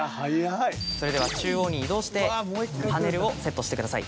それでは中央に移動してパネルをセットしてください。